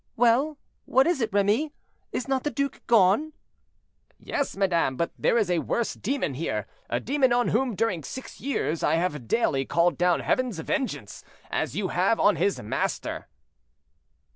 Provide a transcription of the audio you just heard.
"Well, what is it, Remy; is not the duke gone?" "Yes, madame, but there is a worse demon here; a demon on whom, during six years, I have daily called down Heaven's vengeance, as you have on his master."